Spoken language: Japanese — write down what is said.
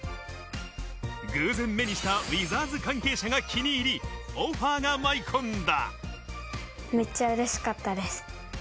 偶然目にしたウィザーズ関係者が気に入り、オファーが舞い込んだ。